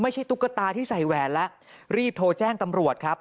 ตุ๊กตาที่ใส่แหวนแล้วรีบโทรแจ้งตำรวจครับ